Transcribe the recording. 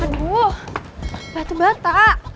aduh batu bata